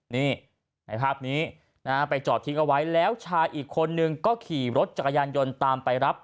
นี่ในภาพนี้นะฮะไปจอดทิ้งเอาไว้แล้วชายอีกคนนึงก็ขี่รถจักรยานยนต์ตามไปรับ